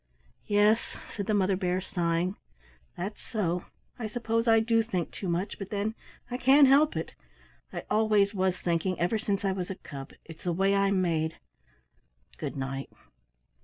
"Yes," said the Mother Bear, sighing, "That's so; I suppose I do think too much, but then I can't help it. I always was thinking ever since I was a cub. It's the way I'm made. Good night."